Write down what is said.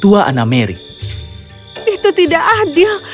lusias menjelaskan semua yang telah terjadi ketika lusias menemukan anna maria